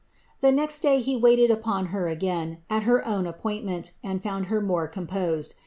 The next day he waited upon her ler own appointment, and found her more composed.